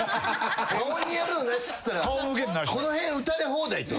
顔にやるのなしって言ったらこの辺撃たれ放題ってことでしょ？